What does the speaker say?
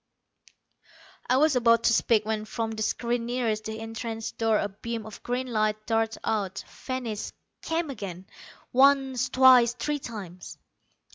I was about to speak, when from the screen nearest the entrance door a beam of green light darted out, vanished, came again. Once, twice, three times.